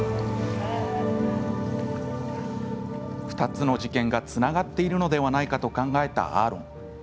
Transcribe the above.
２つの事件がつながっているのではないかと考えたアーロン。